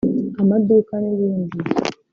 amaduka n’ibindi